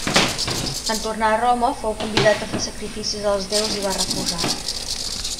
En tornar a Roma fou convidat a fer sacrificis als déus i va refusar.